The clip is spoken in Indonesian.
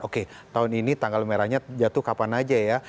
oke tahun ini tanggal merahnya jatuh kapan aja ya